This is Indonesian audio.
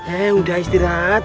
eh udah istirahat